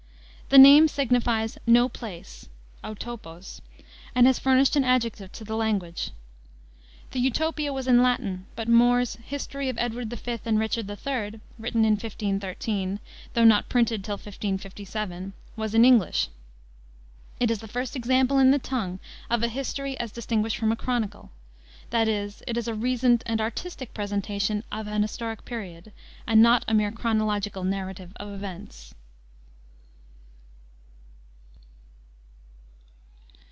The name signifies "no place" (Outopos), and has furnished an adjective to the language. The Utopia was in Latin, but More's History of Edward V. and Richard III., written in 1513, though not printed till 1557, was in English. It is the first example in the tongue of a history as distinguished from a chronicle; that is, it is a reasoned and artistic presentation of an historic period, and not a mere chronological narrative of events.